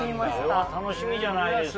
それは楽しみじゃないですか。